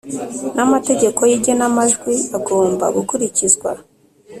n’amategeko y’igenamajwi agomba gukurikizwa